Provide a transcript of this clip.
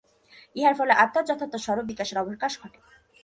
ইহার ফলে আত্মার যথার্থ স্বরূপ-বিকাশের অবকাশ ঘটে।